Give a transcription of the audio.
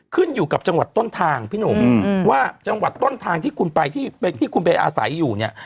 ขึ้นอยู่กับจังหวัดต้นทางพี่หนุ่มว่าจังหวัดต้นทางที่คุณไปที่คุณไปอาศัยอยู่เนี่ย